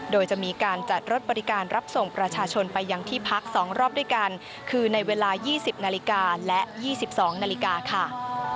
โดยจะมีการจัดรถบริการรับส่งประชาชนไปยังที่พัก๒รอบด้วยกันคือในเวลา๒๐นาฬิกาและ๒๒นาฬิกาค่ะ